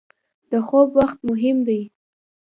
• د خوب وخت مهم دی.